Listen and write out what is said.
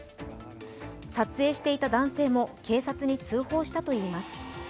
撮影していた男性も警察に通報したといいます。